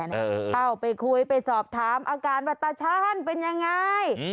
เอ่อเข้าไปคุยไปสอบถามอาการตาชั้นเป็นอย่างไง